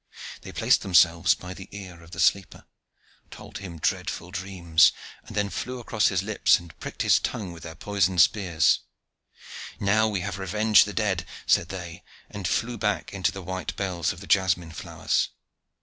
They placed themselves by the ear of the sleeper, told him dreadful dreams and then flew across his lips, and pricked his tongue with their poisoned spears. "Now have we revenged the dead," said they, and flew back into the white bells of the jasmine flowers.